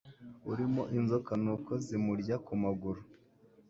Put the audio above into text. urimo inzoka nuko zimurya ku maguru